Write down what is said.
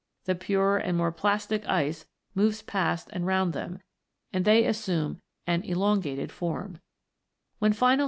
The purer and more plastic ice moves past and round them, and they assume an elongated form (s.